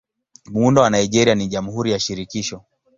Muundo wa Nigeria ni Jamhuri ya Shirikisho.